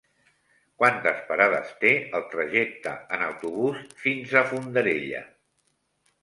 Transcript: Quantes parades té el trajecte en autobús fins a Fondarella?